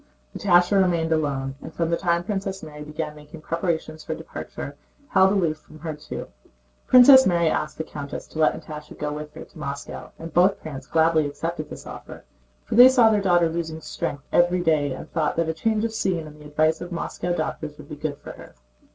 Natásha remained alone and, from the time Princess Mary began making preparations for departure, held aloof from her too. Princess Mary asked the countess to let Natásha go with her to Moscow, and both parents gladly accepted this offer, for they saw their daughter losing strength every day and thought that a change of scene and the advice of Moscow doctors would be good for her.